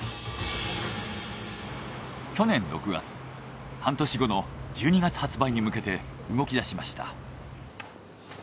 去年６月半年後の１２月発売に向けて動き出しました。